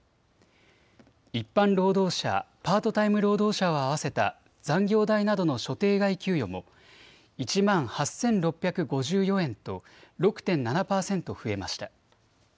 一般労働者、パートタイム労働者を合わせた残業代などの所定外給与も１万８６５４円と６．７％増えました。